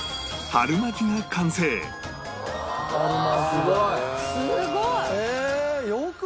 すごい！